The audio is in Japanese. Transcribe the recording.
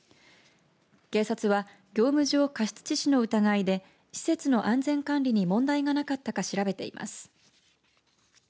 警察は業務上過失致死の疑いで施設の安全管理に問題がなかったか調べています。